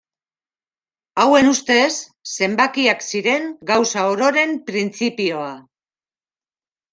Hauen ustez zenbakiak ziren gauza ororen printzipioa.